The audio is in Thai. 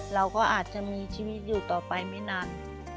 เราก็อาจจะมีชีวิตอยู่ต่อไปไม่นาน